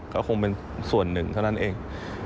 ก็คงเป็นส่วนหนึ่งเท่านั้นเอง